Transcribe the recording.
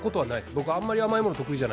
僕あんまり甘いもの得